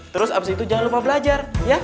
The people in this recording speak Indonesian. terus abis itu jangan lupa belajar ya